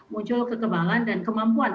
muncul kekembangan dan kemampuan